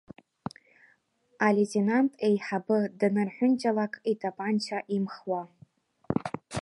Алеитенант еиҳабыданырҳәынҷалакитапанча имхуа.